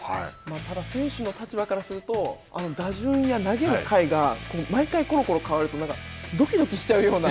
ただ、選手の立場からすると打順や投げる回が毎回ころころ変わると、どきどきしちゃうような。